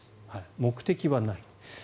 目的はない。